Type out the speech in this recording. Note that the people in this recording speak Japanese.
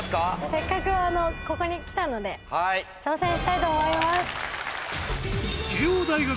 せっかくあのここに来たので挑戦したいと思います。